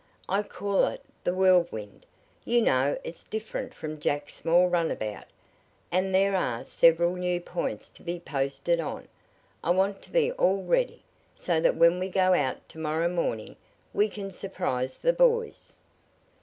I call it the Whirlwind.' You know it's different from Jack's small runabout, and there are several new points to be posted on. I want to be all ready, so that when we go out to morrow morning we can surprise the boys."